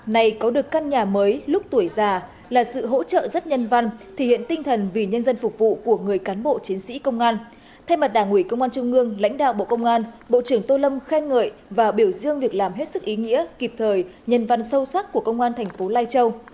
hai nghìn hai mươi ba này có được căn nhà mới lúc tuổi già là sự hỗ trợ rất nhân văn thí hiện tinh thần vì nhân dân phục vụ của người cán bộ chiến sĩ công an thay mặt đảng ủy công an trung nhương lãnh đạo bộ công an bộ trưởng tô lâm khen ngợi và biểu dương việc làm hết sức ý nghĩa kịp thời nhân văn sâu sắc của công an tp lai châu